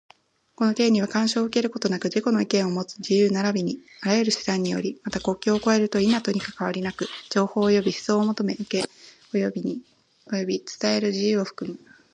この権利は、干渉を受けることなく自己の意見をもつ自由並びにあらゆる手段により、また、国境を越えると否とにかかわりなく、情報及び思想を求め、受け、及び伝える自由を含む。